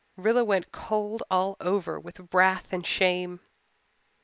Rilla went cold all over with wrath and shame.